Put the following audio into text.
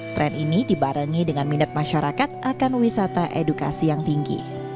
tren ini dibarengi dengan minat masyarakat akan wisata edukasi yang tinggi